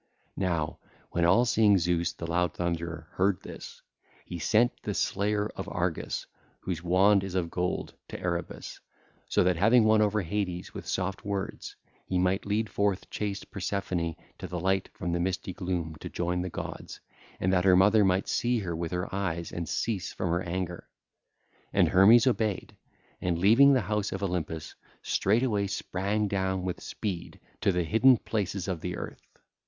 (ll. 334 346) Now when all seeing Zeus the loud thunderer heard this, he sent the Slayer of Argus whose wand is of gold to Erebus, so that having won over Hades with soft words, he might lead forth chaste Persephone to the light from the misty gloom to join the gods, and that her mother might see her with her eyes and cease from her anger. And Hermes obeyed, and leaving the house of Olympus, straightway sprang down with speed to the hidden places of the earth.